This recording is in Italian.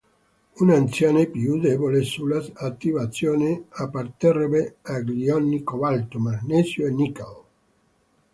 Una azione più debole sulla sua attivazione apparterrebbe agli ioni cobalto, magnesio e nickel.